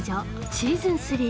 シーズン３。